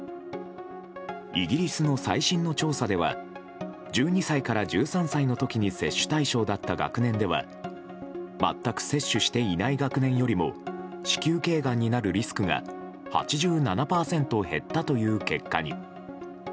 イギリスの最新の調査では１２歳から１３歳の時に接種対象だった学年では全く接種していない学年よりも子宮頸がんになるリスクが８７％減ったという結果に。